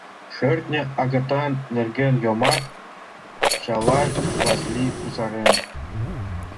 Шӧртньӧ агытан нерген йомак, Чалай Васлий кусарен